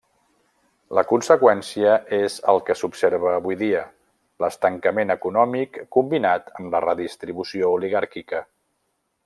La conseqüència és el que s'observa avui dia: l'estancament econòmic combinat amb la redistribució oligàrquica.